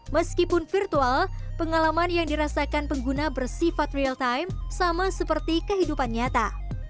meskipun virtual pengalaman yang dirasakan pengguna bersifat real time sama seperti kehidupan nyata